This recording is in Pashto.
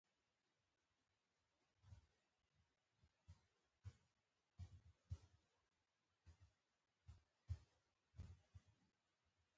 فلم انسان فکر کولو ته اړ باسي